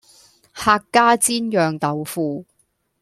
客家煎釀豆腐